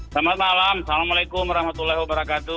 selamat malam assalamualaikum wr wb